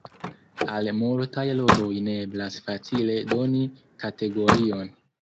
Al multaj ludoj ne eblas facile doni kategorion.